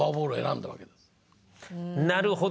なるほど！